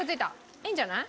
いいんじゃない？